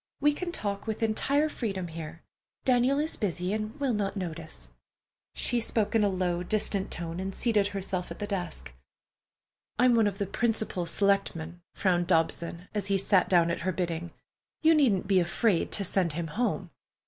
"We can talk with entire freedom here. Daniel is busy and will not notice." She spoke in a low, distant tone, and seated herself at the desk. "I'm one of the principal selectman," frowned Dobson, as he sat down at her bidding. "You needn't be afraid to send him home."